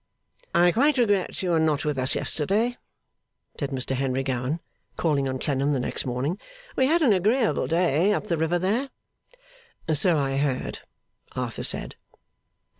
'I quite regret you were not with us yesterday,' said Mr Henry Gowan, calling on Clennam the next morning. 'We had an agreeable day up the river there.' So he had heard, Arthur said.